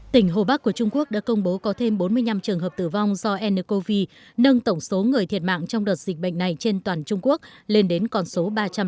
tỉnh hồ bắc của trung quốc đã công bố có thêm bốn mươi năm trường hợp tử vong do ncov nâng tổng số người thiệt mạng trong đợt dịch bệnh này trên toàn trung quốc lên đến con số ba trăm một mươi bảy